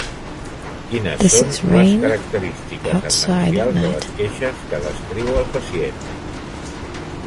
Quines són les característiques essencials de les queixes que descriu el pacient?